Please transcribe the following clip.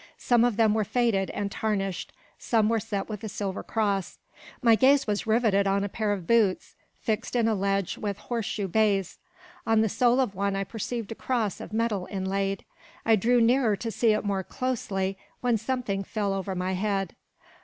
Some of them were faded and tarnished; some were set with a silver cross. My gaze was rivetted on a pair of boots, fixed in a ledge with horse shoe bays; on the sole of one I perceived a cross of metal inlaid; I drew nearer to see it more closely, when something fell over my head.